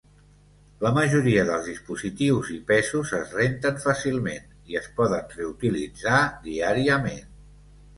La majoria dels dispositius i pesos es renten fàcilment i es poden reutilitzar diàriament.